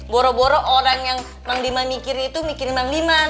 boro boro orang yang mang diman mikirin itu mikirin mang diman